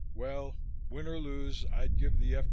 Well, win or lose, I'd give the F.